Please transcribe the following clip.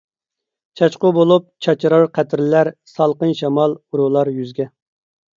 چاچقۇ بولۇپ چاچرار قەترىلەر، سالقىن شامال ئۇرۇلار يۈزگە.